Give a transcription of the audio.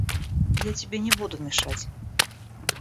Я тебе не буду мешать.